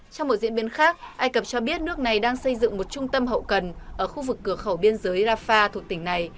trong một diễn biến khác ai cập cho biết nước này đang xây dựng một trung tâm hậu cần ở khu vực cửa khẩu biên giới rafah thuộc tỉnh này